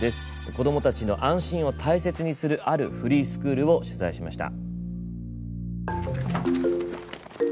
子供たちの安心を大切にするあるフリースクールを取材しました。